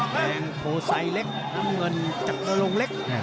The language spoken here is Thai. แดงโพไซเล็กน้ำเงินจากนรงเล็ก